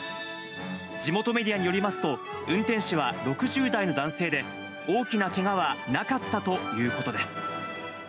地元メディアによりますと、運転手は６０代の男性で、大きなけがはなかったということです。